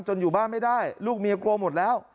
อยู่บ้านไม่ได้ลูกเมียกลัวหมดแล้ว